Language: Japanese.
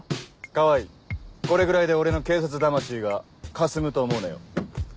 川合これぐらいで俺の警察魂がかすむと思うなよ。